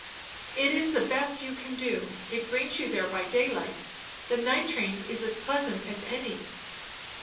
"It is the best you can do. It brings you there by daylight. The night train is as pleasant as any."